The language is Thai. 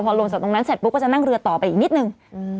พอลงจากตรงนั้นเสร็จปุ๊บก็จะนั่งเรือต่อไปอีกนิดนึง